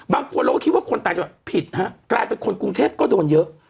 บางคนเราก็คิดว่าคนต่างจังหวัดผิดฮะกลายเป็นคนกรุงเทพก็โดนเยอะ